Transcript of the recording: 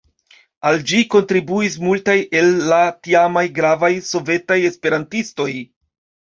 Al ĝi kontribuis multaj el la tiamaj gravaj sovetaj esperantistoj.